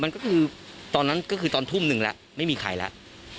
มันตอนนั้นตอนทุ่มหนึ่งไม่มีใครและ